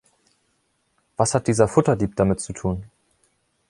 Was hat dieser Futterdieb damit zu tun?